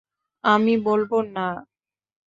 আমি বলব না।